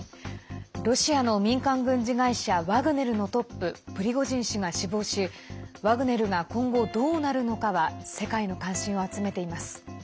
ロシアの民間軍事会社ワグネルのトッププリゴジン氏が死亡しワグネルが今後、どうなるのかは世界の関心を集めています。